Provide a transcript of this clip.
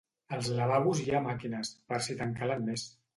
Als lavabos hi ha màquines, per si te'n calen més.